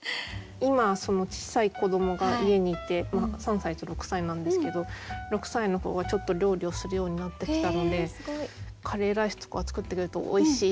今ちっさい子どもが家にいて３歳と６歳なんですけど６歳の子がちょっと料理をするようになってきたのでカレーライスとかを作ってくれるとおいしい。